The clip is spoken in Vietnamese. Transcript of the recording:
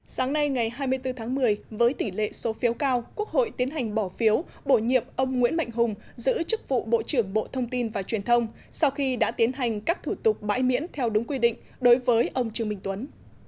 sáng nay ngày hai mươi bốn tháng một mươi với tỷ lệ số phiếu cao quốc hội tiến hành bỏ phiếu bổ nhiệm ông nguyễn mạnh hùng giữ chức vụ bộ trưởng bộ thông tin và truyền thông sau khi đã tiến hành các thủ tục bãi miễn theo đúng quy định đối với ông trương minh tuấn